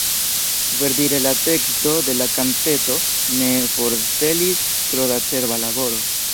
Verdire la teksto de la kanteto ne forŝtelis tro da cerba laboro.